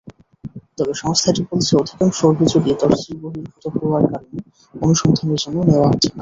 তবে সংস্থাটি বলছে, অধিকাংশ অভিযোগই তফসিলবহির্ভূত হওয়ার কারণে অনুসন্ধানের জন্য নেওয়া হচ্ছে না।